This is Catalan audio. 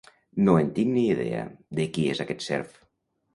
No en tinc ni idea, de qui és aquest serf.